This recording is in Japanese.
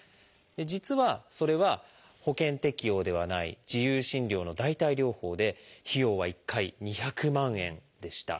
実はそれは保険適用ではない自由診療の代替療法で費用は１回２００万円でした。